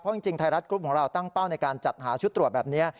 จริงไทยรัฐกรุ๊ปของเราตั้งเป้าในการจัดหาชุดตรวจแบบนี้